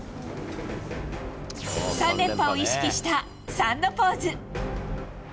３連覇を意識した３のポーズ。